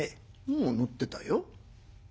「おお乗ってたよ」。